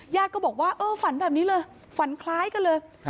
ก็บอกว่าเออฝันแบบนี้เลยฝันคล้ายกันเลย